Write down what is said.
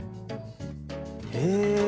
へえ。